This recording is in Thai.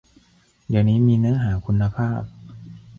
เดี๋ยวนี้มีเนื้อหาคุณภาพ